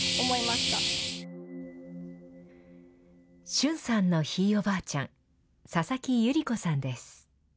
駿さんのひいおばあちゃん佐々木百合子さんです。